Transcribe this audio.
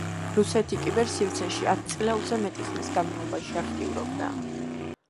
რუსეთი კიბერ-სივრცეში ათწლეულზე მეტი ხნის განმავლობაში აქტიურობდა.